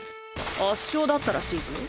圧勝だったらしいぞ。